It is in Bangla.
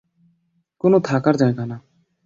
কোনো থাকার জায়গা না।